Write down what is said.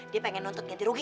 dia pengen nuntut ganti rugi